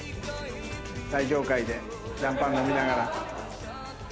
最上階でシャンパン飲みながら。